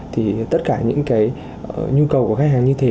thì tất cả những cái nhu cầu của khách hàng như thế